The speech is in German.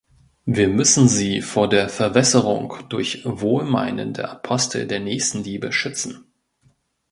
Wir müssen sie vor der Verwässerung durch wohlmeinende Apostel der Nächstenliebe schützen.